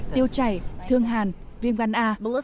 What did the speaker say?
tiêu chảy thương hàn viên văn à